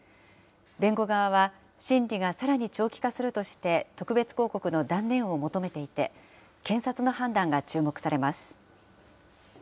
弁護側は、審理がさらに長期化するとして、特別抗告の断念を求めていて、検察の判断が注目されます。